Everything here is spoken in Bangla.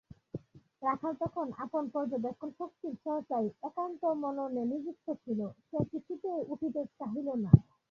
রাখাল তখন আপন পর্যবেক্ষণশক্তির চর্চায় একান্তমনে নিযুক্ত ছিল, সে কিছুতেই উঠিতে চাহিল না।